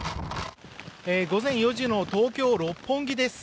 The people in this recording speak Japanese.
午前４時の東京・六本木です。